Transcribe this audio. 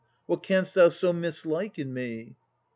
what canst thou so mislike in me?